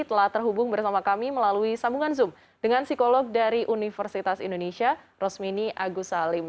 telah terhubung bersama kami melalui sambungan zoom dengan psikolog dari universitas indonesia rosmini agus salim